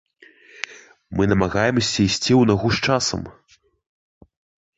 Мы намагаемся ісці ў нагу з часам.